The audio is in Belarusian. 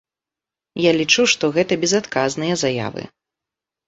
Я лічу, што гэта безадказныя заявы.